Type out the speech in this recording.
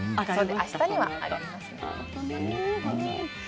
あしたには上がりますよ。